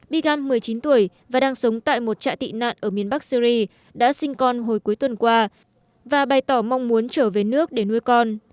big một mươi chín tuổi và đang sống tại một trại tị nạn ở miền bắc syri đã sinh con hồi cuối tuần qua và bày tỏ mong muốn trở về nước để nuôi con